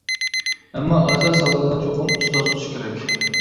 ئەمما ئاساس سالغاندا چوقۇم ئۇستاز تۇتۇش كېرەك.